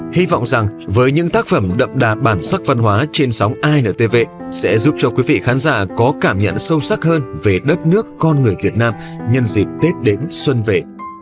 hy vọng rằng với những tác phẩm đậm đà bản sắc văn hóa trên sóng intv sẽ giúp cho quý vị khán giả có cảm nhận sâu sắc hơn về đất nước con người việt nam nhân dịp tết đến xuân về